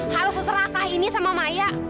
harus seserakah ini sama maya